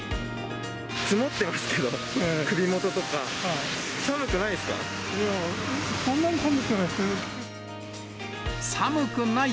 積もってますけど、首元とか、そんなに寒くない。